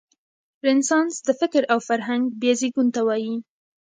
رنسانس د فکر او فرهنګ بیا زېږون ته وايي.